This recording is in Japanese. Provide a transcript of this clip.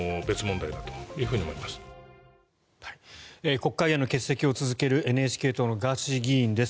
国会への欠席を続けるＮＨＫ党のガーシー議員です。